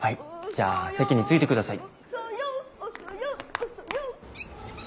じゃあ席に着いてください。